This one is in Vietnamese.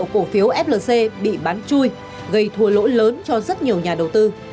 cụ phiếu flc bị bán chui gây thua lỗi lớn cho rất nhiều nhà đầu tư